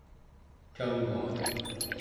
canguaq